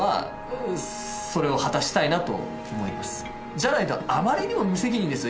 じゃないとあまりにも無責任ですよ